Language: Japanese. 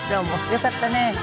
よかったね。